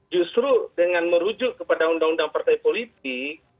justru dengan merujuk kepada undang undang partai politik